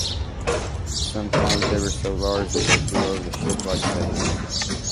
Sometimes they were so large that they flew over the ship like sails.